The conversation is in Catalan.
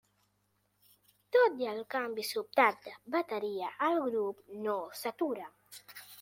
Tot i el canvi sobtat de bateria el grup no s'atura.